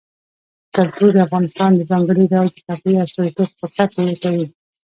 کلتور د افغانستان د ځانګړي ډول جغرافیې استازیتوب په ښه توګه کوي.